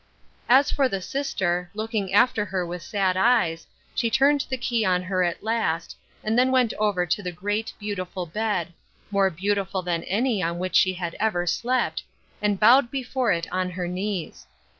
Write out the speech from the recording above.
As for the sister, looking after her with sad eyes, she turned the key on her at last, and then went over to the great, beautiful bed — more beautiful than any on which she had ever slept — and bowed before it on her knees.